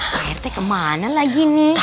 pak rt kemana lagi nih